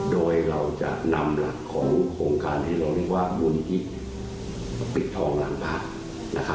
โดยเราจะนำหลักของโครงการที่เราเรียกว่าบุญที่ปิดทองหลังพระ